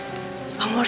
kita harus berhati hati